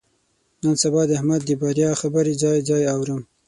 نن سبا د احمد د بریا خبرې ځای ځای اورم.